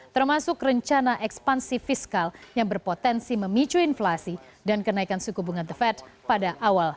termasuk rencana ekspansi fiskal yang berpotensi memicu inflasi dan kenaikan suku bunga the fed pada awal